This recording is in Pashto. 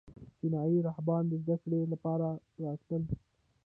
چینایي راهبان د زده کړې لپاره راتلل